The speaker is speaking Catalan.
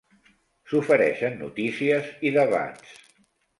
S'ofereixen notícies i debats.